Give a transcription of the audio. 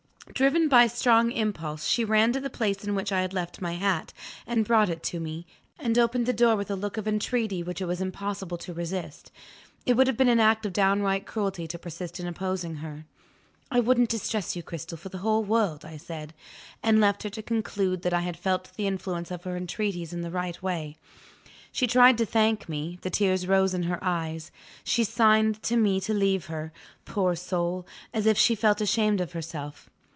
Driven by strong impulse, she ran to the place in which I had left my hat, and brought it to me, and opened the door with a look of entreaty which it was impossible to resist. It would have been an act of downright cruelty to persist in opposing her. "I wouldn't distress you, Cristel, for the whole world," I said and left her to conclude that I had felt the influence of her entreaties in the right way. She tried to thank me; the tears rose in her eyes she signed to me to leave her, poor soul, as if she felt ashamed of herself.